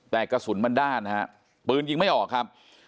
แต่กระสุนมันด้านฮะปืนยิงไม่ออกครับ